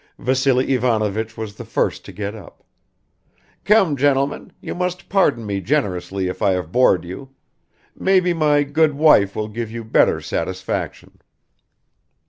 Vassily Ivanovich was the first to get up. "Come, gentlemen, you must pardon me generously if I have bored you. Maybe my good wife will give you better satisfaction."